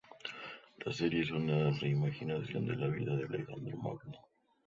La serie es una re-imaginación de la vida de Alejandro Magno.